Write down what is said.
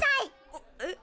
あっえっ。